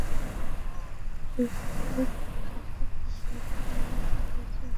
সৈকতের নিকটস্থ খাবারের হোটেলগুলোতে রয়েছে স্বল্পমূল্যে সামুদ্রিক মাছের বিভিন্ন পদের আকর্ষণীয় খাবার।